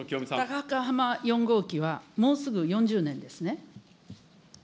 高浜４号機はもうすぐ４０年ですね。